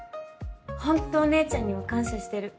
ほんとお姉ちゃんには感謝してる。